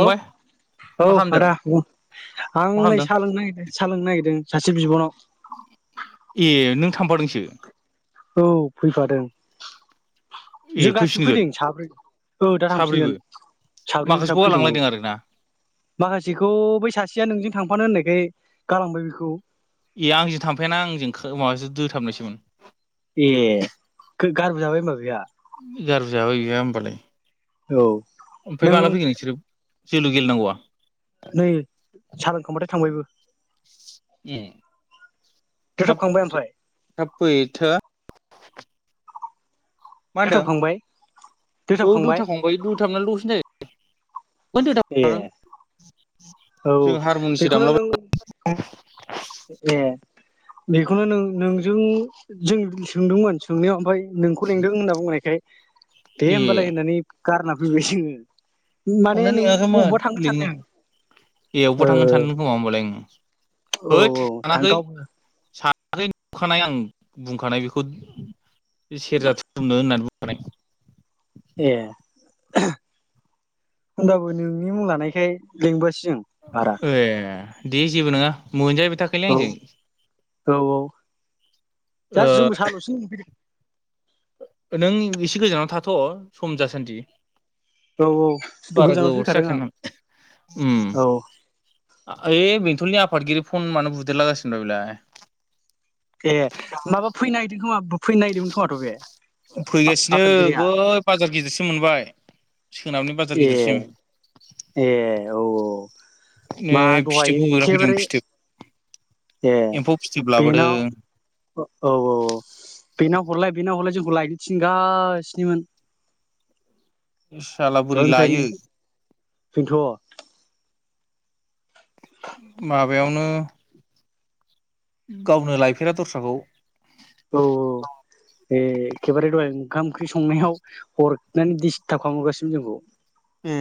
औ मा औ खालामदों आदा आं मा नै खालामदों? साहा लोंनो नागिरदों साहा लोंनो नागिरदों। सासे बिब'नाव ए नों थांफादोंसो औ फैफादों ए जों गासिबो फैफिनगोन फैदों साब्रै औ दा साब्रैबो थांफिनगोन साब्रै थाम माखासेखौ फैदों औ गालांलायदों आरोना माखासेखौ बै सासेया नोंजों थांफानो होननायखाय गालांबाय बेखौ ए आंजों थांफायाना आंजों माबासो दोथाबनायसोमोन ए गारबो जाबाय ओमबा बिहा गारबोजाबय बिहा होमबालाय औ ओमफ्राय नों माला फैगोन नोंसोरो जोलु गेले नांगौआ नै सा लोंखांबायबो थांबायबो ए थाब दोथाबखांबाय ओमफ्राय थाब फै थोआ [inaudible] मा होनदों दोथाबखांबाय औ दोथाबखांबाय दुथा फंबाय दुथा मोन दसेनो जायो ए [unintelligible] औ जों हारमुनिसो बेखौनो नों दामलाबाय ए बेखौनो नों नोंजों जों सोंदोंमोन सोंनायाव ओमफ्राय नोंखौ लिंदों होनना बुंनायखाय दे ए होमबालाय होननानै गारना फैबाय जोङो माने नों लिङाखैमोन अबबा थांनो लिंनो सानदों एयावबो थांनो सानदों खोमा होमबालाय ओ औ होद औ थां सानाखै गावबो साखै नुखानाय आं बुंखानाय बेखौ सेरजा थुमनो होननानै बुं खानाय ए होमबाबो नोंनि मुं लानायखाय लिंबोआसै ए दे जेबो नङा मोनजाहैबाय थाखायलै औ आंजों औ औ दा ओ जोंबो साहाल'सो लोंनो फैदों नों एसे गोजानाव थाथ' सम जासान्दि औ बारा गोजानावसो गोबावथ' फैखादों आं जाखाया उम औ ओइ बेंथलनि आफादगिरि फन मानो बुदेरलागासिनो द बेलाय ए माबा फैनो नागिरदों खोमा फैनो नागिरदोंमोन खोमाथ' बे फैगासिनो आफादगिरिया बै बाजार गिदिरसिम मोनबाय सोनाबनि बाजार ए गिदिरसिम ए औ ने मा दहाय फिथोब बगोरा फैदों एखेबारे फिथोब ए एम्फौ फिथोब लाबोदों बेनाव औ औ बेनाव हरलाय बेना हरलाय जोंखौ लायनो थिनगासिनोमोन सला बोरै लायो फैनोथ' माबायावनो गावनो लायफेरा दस्राखौ औ औ ए खेबारे दहायनो ओंखाम ओंख्रि संनायाव हरनानै डिस्टार्ब खालामहरगासिनो जोंखौ ए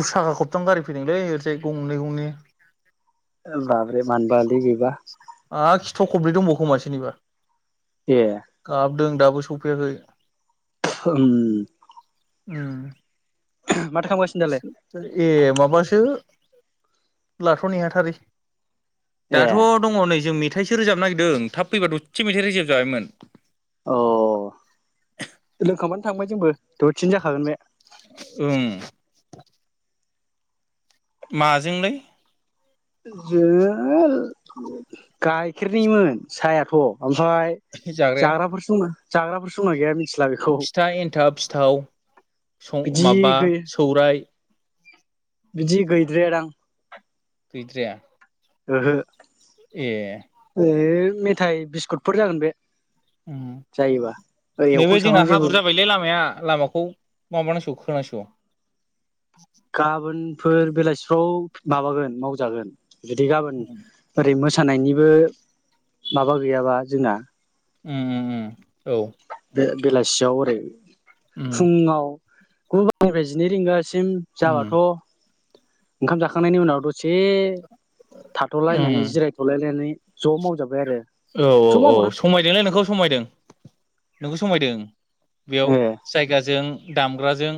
उसाखा खबथाम गारि फैदोंलै ओरजाय गंनै गंनै बाब्रे मानबालि बिबा ह खिथ' खब्रै दंबावखोमा सोरोनिबा ए सदों दाबो सफैयाखै उम उम दालाय ए माबासो लाथ'नो नेहाथारि दाथ' ए दङ नै जों मेथाइसो रोजाबनो नागिरदों थाब फैबाथ' दसे मेथाइ रोजाबजाबायमोन अ लोंखांबानो थांबाय जोंबो दथसेनो जाखागोन बे। [inaudible] माजोंलै। जोङो गाइखेरनिमोन साहायाथ'। ओमफ्राय जाग्राया जाग्राफोरसो दंना जाग्राफोरसो दंना गैया मिथ फिथा एन्थाब फिथाव बिदि माबा गै सौराय। बिदि गैद्राया दां। गैद्राया। ओहो। एह। ओ मेथाइ बिस्कुटफोर जागोन बे। उम। जायोबा ओरै एवखां नैबे जोंना सावखां जेबो हाब्रु जाबायलै लामाया लामाखौ माबानांसिगौ खोनांसिगौ। दं। गाबोनफोर बेलासिफ्राव माबागोन मावजागोन। जुदि गाबोन ओरै मोसानायनिबो माबा गैयाबा जोंना। उउ उम उम औ। बे बेलासियाव ओरै उम फुङाव गु बाजि निफ्राय जिनै रिंगा दासिम उम जाबाथ' ओंखाम जाखांनायनि उनाव दस एसे थाथ'लायनानै उम जिरायथ'लायनानै ज' मावजाबाय आरो। औ औ ज' औ मावबाथ' समायदोंलै नोंखौ समायदों नोंखौ समायदों। बेयाव ए जायगाजों दामग्राजों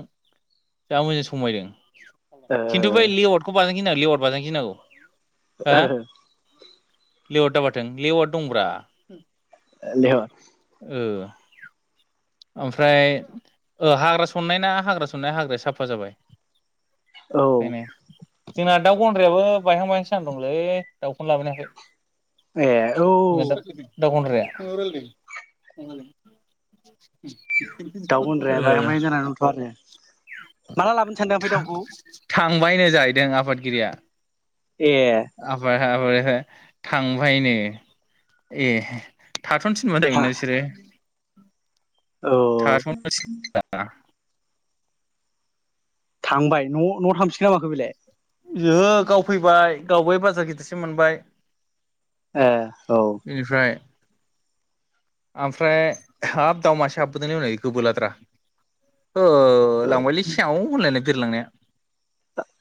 जा मोजां समायदों। ओ खिन्थु बै लेवारटखौ बाजां गिनां लिवारट बाजानोगिनांगौ। ओह। लेवाट दाबाथों लेवाट दंब्रा। देहर ओ ओमफ्राय ओ हाग्रा सननाय ना हाग्रा सननाया हाग्राया साफा जाबाय। औ बेनो जोंना दाउ गन्द्रायाबो बायहां बायहांसो जाना दंलै दाउखौनो लाबोनो हायाखै। ए औ [unintelligible] दाउ गन्द्राया दाउ गनद्राया बायहां ओ बायहां जाना‌ दंथ' आरो माला लाबोनो सानदों ओमफाय दाउखौ? थांबायनो जाहैदों आफादगिरिया ए [unintelligible] थांबायनो ए थाथ'नो थिन [unintelligible] हा ना बिसोरो औ थाथ'नो थिना थांबाय न-न'आव थांफिनखोना माखो बेलाय? ओहो गाव फैबाय गाव बै बाजार गिदिरसिम मोनबाय। एह। बेनिफ्राय आमफ्राय हाब दाउ मासे हाबबोदोंलै हनै गोबोरलाद्रा हो लांबायलै सेव होनलायनाय बिरलांनाया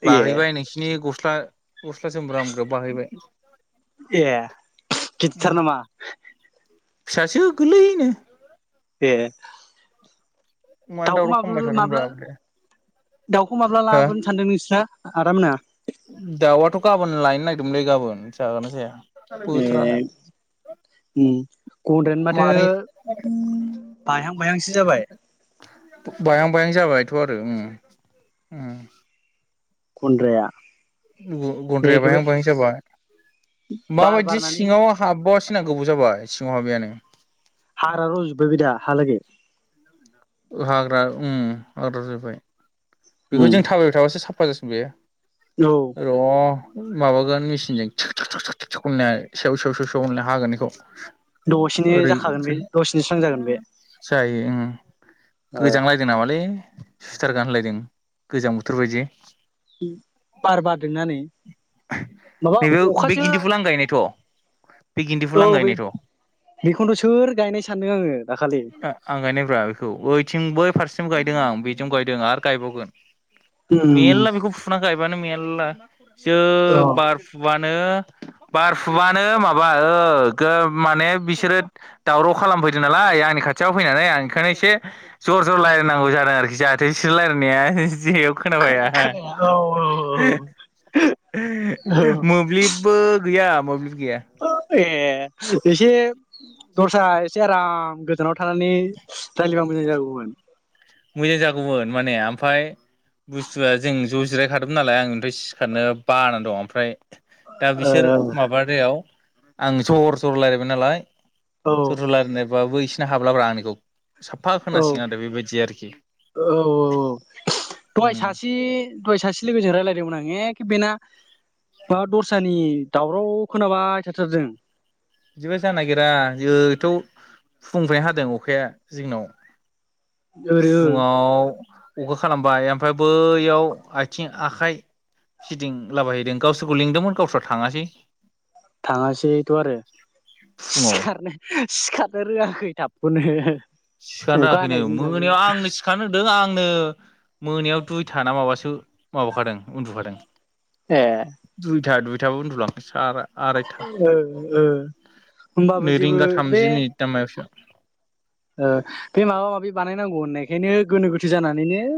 ए बाहैबाय नोंसिनि गस्ला-गस्ला जोमब्रामग्रायाव बाहैबाय। ए गिदिर थार नामा? फिसासो गोरलैनो ए मानो दाउखौ दावराव खालामबाय माबोल माब्ला थादोंब्रा बे दाउखौ माब्ला हो लाबोनो सानदों नोंस्रा? आदामोना दाउआथ' गाबोन लायनो नागिरदोंमोनलै गाबोन जागोना जाया ए बोथोरानो उम गन्द्रायानो मानै माथो बायहां बायहांसो जाबाय। बायहां बायहां जाबायथ' आरो उम उम गन्दद्राया गन्द्राया बायहां बायहां जाबाय बार माबायदि बारनानै सिङाव हाबबा सिना गोबाव जाबाय सिङाव हाबियानो हाग्रा रज'जोबबाय बेदा हालागै हाग्रा उम रज'बाय बेखौ उम जों थाबायबाय थाबासो साफा जासिगोन बेयो औ र' माबागोन मेसिनजों [unintelligible] सेव सेव सेव सेव होननाय हागोन बेखौ दसेनो ओरै जाखागोन बे दसेनो स्रां जागोन बे [unintelligible] जायो उम ओ गोजांलायदो नामालै सुइटार गानलायदों गोजां बोथोर बायदि बार बारदोंनानै माबा नैबे बे अखासो गिन्दिफुल आं गायनायथ' बे गिन्दिफुल औ आं बे गायनायथ' बेखौनोथ' सोर गायनाय सानदों आङो दा आं गायनायब्रा बेखौ ओइथिं बै फारसें गायदों आं बेजों गायदों आरो गायबावगोन। उम मेरला बेखौ फुना गायबानो मेलला जो औ बारफुबा नो बारफुबानो माबा ओ गो माने बिसोरो दावराव खालाम फैदों नालाय आंनि खाथियाव फैनानै आं ओंखायनो एसे जर जर रायलायनांगौ जादों आरोखि जाहाथे एसे लायरायनाया दि इयाव खोनाबाया हा खोनाया औ [unintelligible] औ [unintelligible] मोब्लिबबो गैया मोब्लिब गैया। औ ए एसे दस्रा एसे आराम गोजानाव थानानै जायलिबा मोजां जागौमोन। मोजां जागौमोन माने आमफाय बुस्थुआ जों ज' जिरायखादोंमोन नालाय आं ओमफ्राय सिखारनो बानानै दं ओमफ्राय दा ओ बिसोर माबानायायाव आं जर जर लायरायबाय नालाय औ जर जर लायरायनायबाबो इसोरना हाब्लाब्रा आंनिखौ साफा खोनासिगोन आरो बेबायदि आरो ओ औ औ दहाय बिदिबा सासे दहाय सासे लोगोजों रायलायदोंमोन आं एक बेना माबा दस्रानि दावराव खोनाबाय थाथारदों बिदिबा जानो नागिरा जोंथ' फुंनिफ्रायनो हादों अखाया जोंनाव। ओरै फुङाव अखा खालामबाय ओमफ्राय बैयाव आथिं आखाइ फिदिंलाबायहैदों गावसोरखौ लिंदोंमोन गावस्रा थाङासै। थाङासै थ' आरो फुङाव सिखारनो सिखारनो रोङाखै थाबखौनो। सिखारनो अखा होआखैनो हानायजों जाबजों मोनायाव आंनो सिखारनो रोंदों आं आंनो मोनायाव दुइथा ना माबासो माबाखादों उन्दुखादों। ए दुइथा दुइथायाव उन्दुलांदोंसो आराइ आराइथा ओ ओ होमबाबो नै जेबो रिंगा थामजि बे मिनिट ना मायावसो ओ बे माबा माबि बानायनांगौ होननाय खायनो गोनो गोथो जानानैनो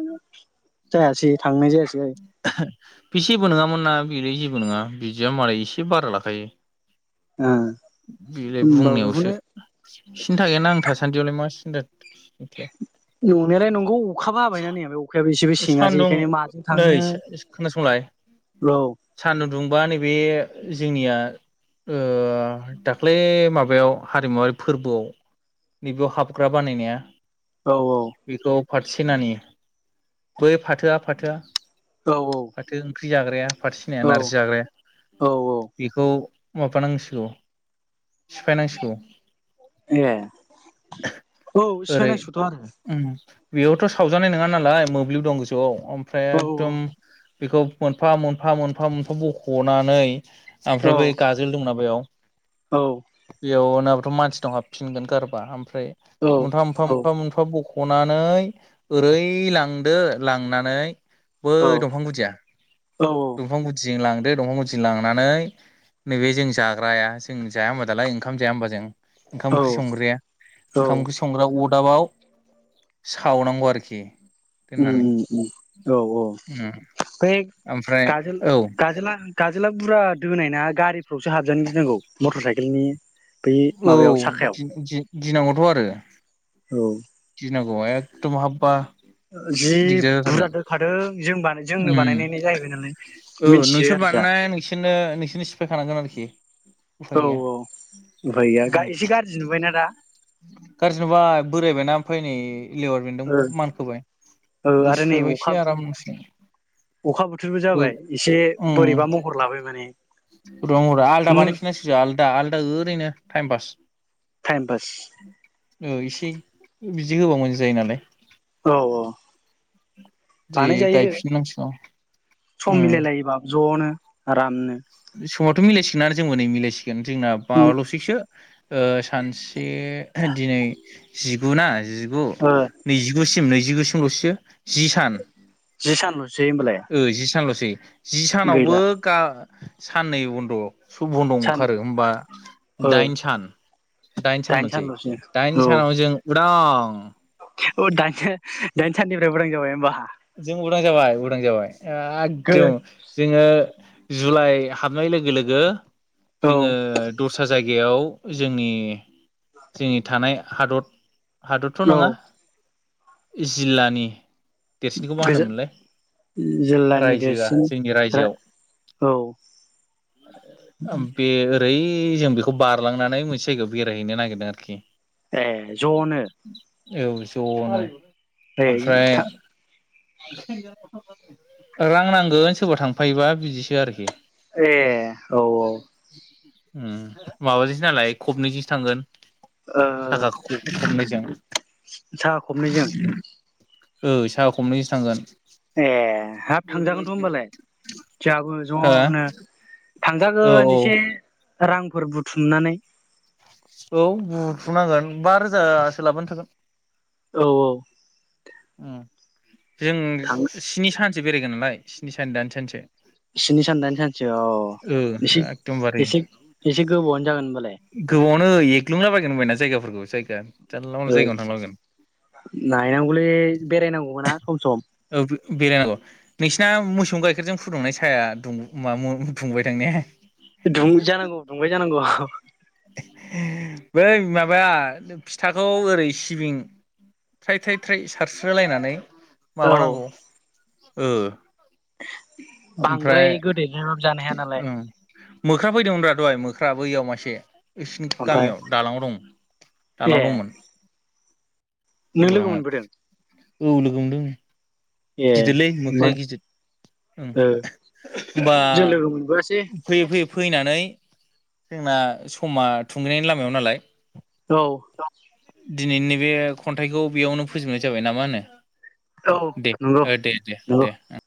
जायासै थांनाय जायासै बि जेबो नङामोन ना बिलाय जेबो नङा बिदिया मालाय एसे बारा लाखायो। ओ बेलाय होमबा बुंनायावसो बेखौनो सिन्था गैयाना आं थासान्दियावलाय मा सि [inaudible] नंनायालाय नंगौ अखाबो हाबायना नै अखायाबो एसेबो सेङासै सान्दुं बेखायनो माजों नै थांनो खोनासंलाय औ सान्दुं दुंबा नैबे जोंनिया ओ दाख्लै माबायाव हारिमुवारि फोरबोआव नै बेयाव हाबग्रा बानायनाया औ औ। बेखौ फाथो सेनानि बै फाथोआ फाथोआ औ फाथो ओंख्रि जाग्राया फाथो सेनाया औ नारजि जाग्राया औ औ बेखौ माबानांसिगौ सिफायनांसिगौ। ए औ ओरै सिफायनांसिगौथ' आरो उम। बेयावथ' सावजानाय नोङा नालाय मोब्लिब दं गोजौआव ओमफ्राय औ एकदम बेखौ मोनफा मोनफा मोनफा मोनफा बख'नानै औ आमफ्राय बै गाजोल दंना बेयाव औ बेयाव नोङा बाथ' मानसिनाव हाबफिनगोन गारबा आम फाय औ मोनफा मोनफा मोनफा मोनफा बख'नानै ओरै लां दो लांनानै बै दंफां गुदिया औ दंफां गुदि जों लां दो दंफां गुदि जों लांनानै नैबे जों जाग्राया जों जाया होमबा दालाय ओंखाम जाया होमबा जों ओंखाम औ ओंख्रि संग्राया ओंखाम औ ओंख्रि संग्रा अद दाबाव सावनांगौ आरोखि। उम दोननानै उम उम औ औ। उम बै ओमफ्राय गाजोल औ गाजोला गाजोला बुरजा दोनायना गारिफ्रावसो हाबजानो गिनांगौ मटर साइकेलनि बै माबायाव साखायाव गिनांगौथ' आरो औ नोंगौ एखदम हाब्बा ओ जि बुरजा दोखादों जों बानाय जोंनो बानायनाय जाहैबाय नालाय मिनथियो आर बानायनाया नोंसोरनो नोसोरनो सिफायखानांगोन आरो औ औ उफाय गैया गा एसे गारजि नुबायना दा। गारजि नुबाय बोरायबायना आमफ्राय नै ए लेवार बेन्दों ओ मानखोबाय ओ बेखौ आरो नै सिफायबाय अखा एसे आरामसे अखा बोथोरबो जाबाय एसे बोरैबा महर लाबाय माने रंरा आलदा बानायफिननांसिगोन आलदा आलदा ओरैनो टाइम पास। टाइम पास औ एसे बिदि होबा मोजां‌ जायो नालाय। औ औ। बिदि बानायजायो गायफिननांसिगौ सम उम मिलायलायोबा ज'नो। आरामनो थ' मिलायसिगोना जोंबो नै मिलायसि गोन जोंना माबाल'सैसो ओ सानसे दिनै जिगु ना जिगु ओ नैजिगुसिम नैजिगुसिमल'सैसो जि सान। जि सानल' ओ जि सानल'सै जि सानावबो गैला गा साननै बन्द'। सुब'न सान ओंखारो होमबा ओ दाइन सान। दाइन सान मोनसै सानल'सै औ दाइन सानाव जों उदां। ओ दाइन सान दाइन साननिफ्राय उदां जाबाय होमबा। जों उदां जाबाय उदां जाबाय एकदम जोङो जुलाइ हाबनाय लोगो लोगो औ जोङो दसा जायगायाव जोंनि जोंनि थानाय हादथ हादथ' औ नङा जिल्लानि देरसिनखौ मा होनो गोजो मोनलाय? जिल्लानि रायजोआ देरसिन जोंनि रायजोआव। औ ओम बे ओरै जों बेखौ बारलांनानै मोनसे जायगायाव बेरायहैनो नागिरदों आरोखि। ए ज'नो? औ ज'नो। ए ओमफ्राय था रां नांगोन सोरबा थांफायोबा बिदिसो आरोखि। ए औ औ। उम माबाजोंसो नालाय खबनैजोंसो थांगोन। ओ साखा खब-खबनैजों। ओ साहा खबनैजों साखा खबनै जोंसो थांगोन। ए हाब थांजागोनथ' होमबालाय जोहाबो हो ज'नो। औ थांजागोन औ एसे रांफोर बुथुमनानै। औ बुथुमनांगोन बा रोजासो लाबानो थागोन। औ औ। उम जों थां स्नि सानसो बेरायगोन नालाय, स्नि सान दाइान सानसो। स्नि सान दाइन सानसो औ ओ एसे एकदमबारे एसे एसे गोबावनो जागोन होनबालाय। गोबावनो एग्लुंलाबायगोन होनबायना जायगाफोरखौ जायगा। जानला मोनला ओ जायगायावनो थांलाबायगोन नायनांगौलै बेरायनांगौबोना सम सम। औ बेरायनांगौ नोंसिना मोसौनि गाइखेरजों फुदुंनाय साया दुं मा म दुंबाय दां ने? दुं जानांगौ दुंबाय जानांगौ। बै माबाया जों फिथाखौ ओरै सिबिं थ्राय थ्राय थ्राय सारस्रोलायनानै औ माबानांगौ ओ ओमफ्राय बांद्राय गोदै थारबाबो जानो हाया नालाय। ओं मोख्रा फैदोंमोनब्रा दहाय मोख्रा बैयाव मासे। इसिनि ओमफ्राय गामियाव दालां आव दं दाला ए आव दंमोन। नों लोगो दलाङाव मोनबोदों? औ लोगो मोनदों ए गिदिरलै मोख्राया गिदिर। उम ओ होमबा जों लोगो मोनबोआसै फैयै फैयै फैनानै जोंना समा थुंगेनायनि लामायाव नालाय। औ। दिनै नैबे खन्थाइखौ बेयावनो फोजोबनाय जाबाय नामा होनो औ दे। नंगौ ओ दे दे नंगौ दे ओं।